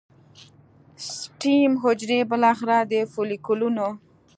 سټیم حجرې بالاخره د فولیکونو